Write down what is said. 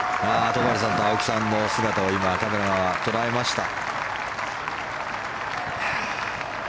戸張さんと青木さんの姿も今、カメラは捉えました。